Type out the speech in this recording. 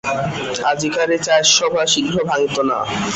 আজিকার এই চায়ের সভা শীঘ্র ভাঙিত না।